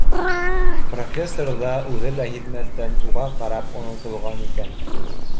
Профессор ҙа, үҙе лә һиҙмәҫтән, уға ҡарап онотолған икән